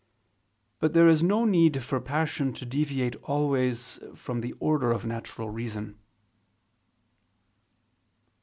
But there is no need for passion to deviate always from the order of natural reason.